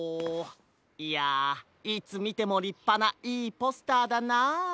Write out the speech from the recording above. いやいつみてもりっぱないいポスターだなあ。